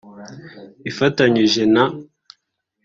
ifatanyije na